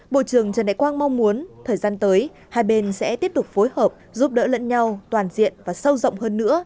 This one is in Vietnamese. bộ trưởng trần đại quang mong muốn thời gian tới hai bên sẽ tiếp tục phối hợp giúp đỡ lẫn nhau toàn diện và sâu rộng hơn nữa